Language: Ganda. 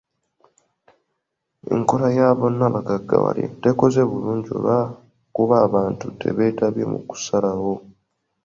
Enkola ya bonna bagaggawale tekoze bulungi olw'okuba abantu tebeetabye mu kusalawo.